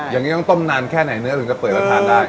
อย่างนี้ต้องต้มนานแค่ไหนเนื้อถึงจะเปิดประทานได้